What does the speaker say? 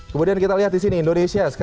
kemudian kita lihat di sini indonesia